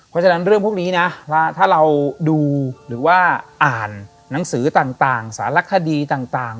เพราะฉะนั้นเรื่องพวกนี้นะถ้าเราดูหรือว่าอ่านหนังสือต่างสารคดีต่าง